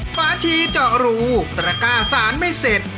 ฟ้าชีเจาะรูตระก้าสารไม่เสร็จ